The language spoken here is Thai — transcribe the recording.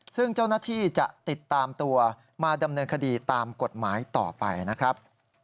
ซึ่งเจ้าหน้าที่จะติดตามตัวมาดำเนินคดีตามกฎหมายต่อไปนะครับ